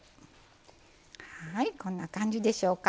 はいこんな感じでしょうか